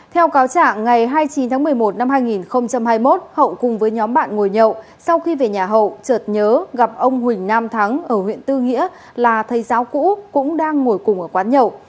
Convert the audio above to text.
theo cáo trả ngày hai mươi chín tháng một mươi một năm hai nghìn hai mươi một hậu cùng với nhóm bạn ngồi nhậu sau khi về nhà hậu trợt nhớ gặp ông huỳnh nam thắng ở huyện tư nghĩa là thầy giáo cũ cũng đang ngồi cùng ở quán nhậu